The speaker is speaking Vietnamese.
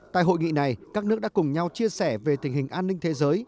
tại hội nghị này các nước đã cùng nhau chia sẻ về tình hình an ninh thế giới